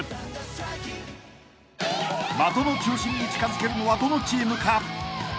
［的の中心に近づけるのはどのチームか？］